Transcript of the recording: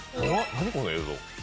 何この映像。